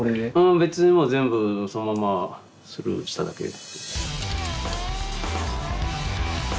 別にもう全部そのままスルーしただけです。